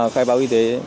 khai báo y tế